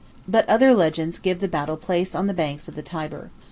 "] But other legends give the battle place on the banks of the Tiber.